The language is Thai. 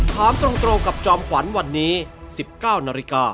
ถามตรงกับจอมขวัญวันนี้๑๙นาฬิกา